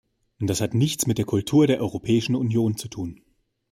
Das hat nichts mit der Kultur der Europäischen Union zu tun.